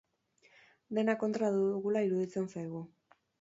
Dena kontra dugula iruditzen zaigu.